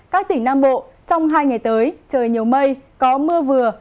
các tỉnh nam bộ trong hai ngày tới trời nhiều mây có mưa vừa